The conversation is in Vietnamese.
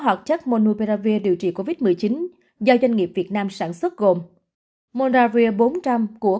họt chất monopiravir điều trị covid một mươi chín do doanh nghiệp việt nam sản xuất gồm monavir bốn trăm linh của